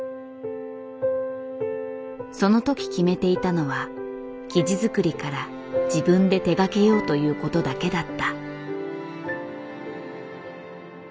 その時決めていたのは生地作りから自分で手がけようという事だけだった。